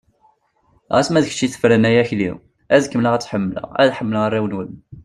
Ɣas ma d kečč i tefren ay Akli, ad kemmleɣ ad tt-ḥemmleɣ, ad ḥemmleɣ arraw-nwen.